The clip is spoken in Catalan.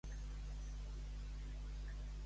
A la braça.